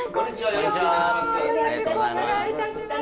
よろしくお願いします。